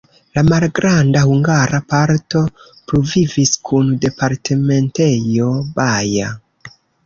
La malgranda hungara parto pluvivis kun departementejo Baja.